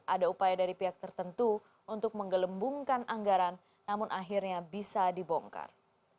ada upaya dari pihak tertentu untuk menggelembungkan anggaran namun akhirnya bisa dibongkar